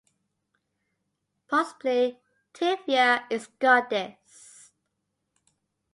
Possibly, "tiveya" is "goddess".